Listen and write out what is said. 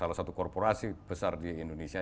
salah satu korporasi besar di indonesia